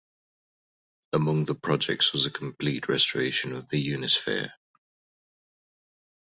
Among the projects was a complete restoration of the Unisphere.